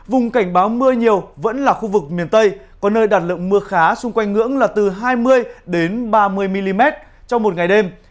vùng cảnh báo mưa nhiều vẫn là khu vực miền tây có nơi đạt lượng mưa khá xung quanh ngưỡng là từ hai mươi ba mươi mm trong một ngày đêm